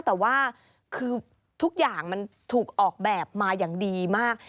แต่ว่าคือทุกอย่างมันถูกออกแบบมาอย่างดีมาก